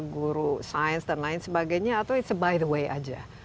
guru sains dan lain sebagainya atau it's a by the way aja